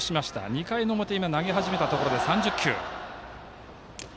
２回の表投げ始めたところで３０球。